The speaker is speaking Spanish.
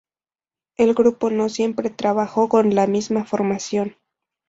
El grupo no siempre trabajó con la misma formación.